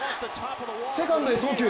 セカンドへ送球！